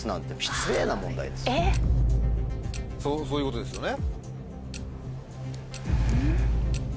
そういうことですよね。